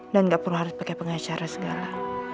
dan gak perlu harus pake pengacara segala